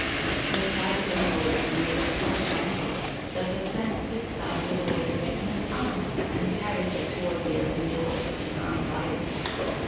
The side of the hole is made at such an angle that the sand slips down with the weight of even an ant and carries it towards the open jaws of the ant lion.